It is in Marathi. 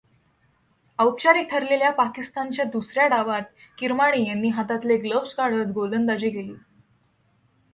औपचारिक ठरलेल्या पाकिस्तानच्या दुसऱ्या डावात किरमाणी यांनी हातातले ग्लोव्हज काढत गोलंदाजी केली.